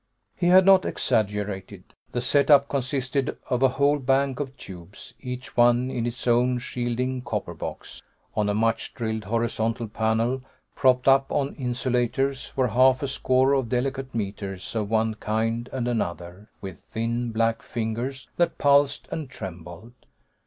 He had not exaggerated. The set up consisted of a whole bank of tubes, each one in its own shielding copper box. On a much drilled horizontal panel, propped up on insulators, were half a score of delicate meters of one kind and another, with thin black fingers that pulsed and trembled.